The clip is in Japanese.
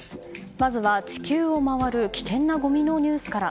まずは地球を回る危険なごみのニュースから。